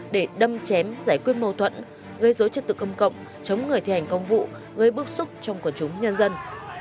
để đâm chém giải quyết mâu thuẫn gây dối chất tự công cộng chống người thi hành công vụ gây bước xuất trong quần chúng nhân dân